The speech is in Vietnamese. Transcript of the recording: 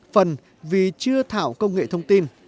phần vì chưa thảo công nghệ thông tin